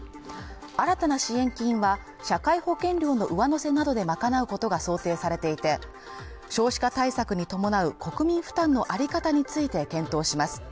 新たな支援金は、社会保険料の上乗せなどで賄うことが想定されていて、少子化対策に伴う国民負担のあり方について検討します。